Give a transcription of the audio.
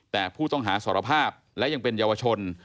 แต่ผู้ต้องหาสารภาพและยังเป็นเยาวชน